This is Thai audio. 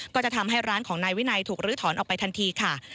ก็จะทำให้ร้านของนายวินัยถูกลื้อถอนออกไปทันทีค่ะ